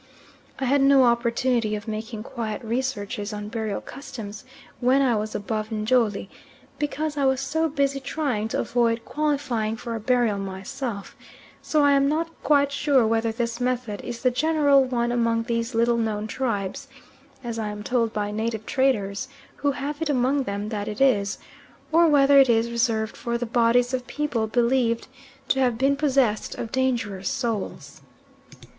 I had no opportunity of making quiet researches on burial customs when I was above Njoli, because I was so busy trying to avoid qualifying for a burial myself; so I am not quite sure whether this method is the general one among these little known tribes, as I am told by native traders, who have it among them that it is or whether it is reserved for the bodies of people believed to have been possessed of dangerous souls.